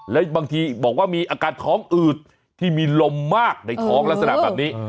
แล้วบางทีบอกว่ามีอาการท้องอืดที่มีลมมากในท้องลักษณะแบบนี้